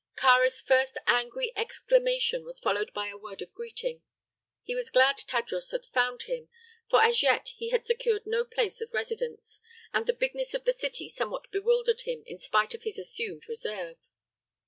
Kāra's first angry exclamation was followed by a word of greeting. He was glad Tadros had found him, for as yet he had secured no place of residence, and the bigness of the city somewhat bewildered him in spite of his assumed reserve.